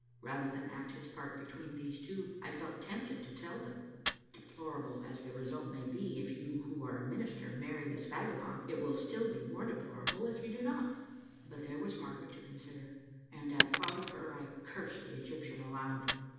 Rather than act his part between these two I felt tempted to tell them, " Deplorable as the result may be, if you who are a minister marry this vagabond, it will be still more deplorable if you do not." But there was Margaret to consider, and at thought of her I cursed the Egyptian aloud.